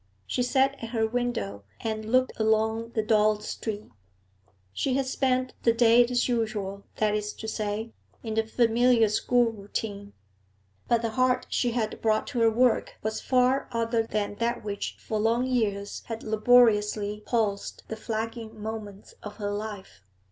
She sat at her window and looked along the dull street. She had spent the day as usual that is to say, in the familiar school routine; but the heart she had brought to her work was far other than that which for long years had laboriously pulsed the flagging moments of her life.